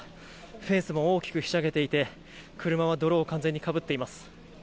フェンスも大きくひしゃげていて車は泥を完全にかぶっています。